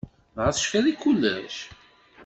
Dɣa tecfiḍ i kullec?